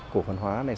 cổ phần hóa này